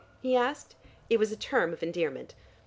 he asked. "It was a term of endearment.